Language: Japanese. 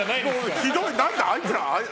ひどい、あいつら。